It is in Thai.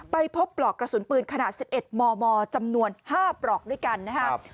ไปพบปลอกกระสุนปืนขนาด๑๑มมจำนวน๕ปลอกด้วยกันนะครับ